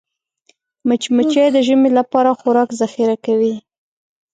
مچمچۍ د ژمي لپاره خوراک ذخیره کوي